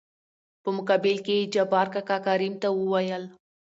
په مقابل کې يې جبار کاکا کريم ته وويل :